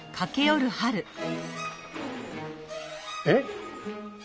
えっ？